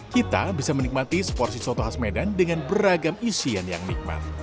kita bisa menikmati seporsi soto khas medan dengan beragam isian yang nikmat